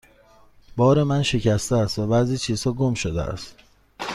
بار من شکسته است و بعضی چیزها گم شده است.